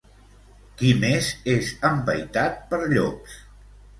Qui més és empaitat per llops?